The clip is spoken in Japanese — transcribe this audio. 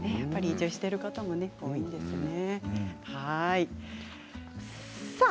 移住している方も多いんですね。